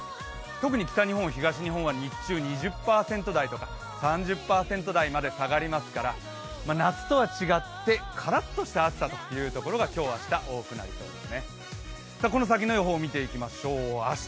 特に北日本、東日本は日中、２０％台とか３０％台まで下がりますから夏とは違ってカラッとした暑さのところが今日、明日は多くなります。